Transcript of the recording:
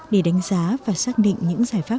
để đánh giá và xác định những giải pháp